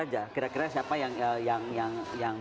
aja kira kira siapa yang